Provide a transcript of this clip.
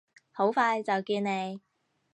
好快就見你！